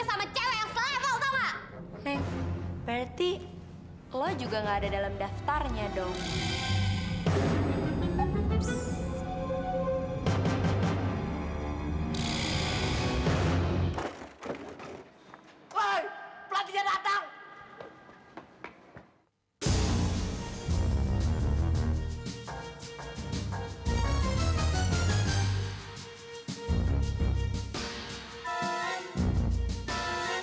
sampai jumpa di video selanjutnya